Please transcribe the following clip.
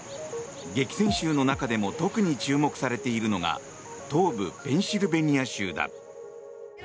激戦州の中でも特に注目されているのが東部ペンシルベニア州だ。